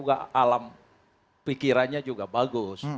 alam pikirannya juga bagus